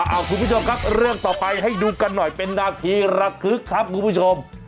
เอาคุณผู้ชมครับเรื่องต่อไปให้ดูกันหน่อยเป็นนาทีระทึกครับคุณผู้ชม